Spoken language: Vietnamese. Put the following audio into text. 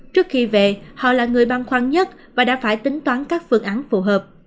trước khi về họ là người băng khoan nhất và đã phải tính toán các phương án phù hợp